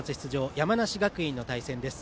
山梨学院の対戦です。